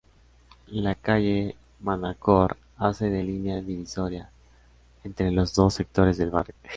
La Calle Manacor hace de "línea divisoria" entre los dos sectores del barrio.